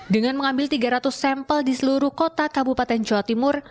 dengan mengambil tiga ratus sampel di seluruh kota kabupaten jawa timur